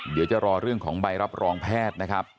เดี๋ยวจะรอเรื่องของใบรับรองแพทย์นะครับ